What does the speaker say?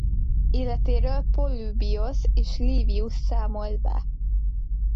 Életéről Polübiosz és Livius számol be.